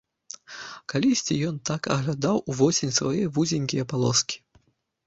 Калісьці ён так аглядаў увосень свае вузенькія палоскі.